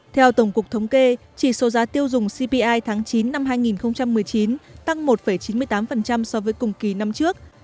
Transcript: theo tổng cục thống kê chỉ số giá tiêu dùng cpi tháng chín năm hai nghìn một mươi chín tăng một chín mươi tám so với cùng kỳ năm trước